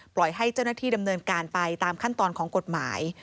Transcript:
ให้เจ้าหน้าที่ดำเนินการไปตามขั้นตอนของกฎหมาย